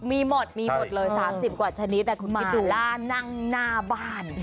มีหมดเลย๓๐กว่าชนิดแต่คุณพี่ตุ๋มาล่านั่งหน้าบ้าน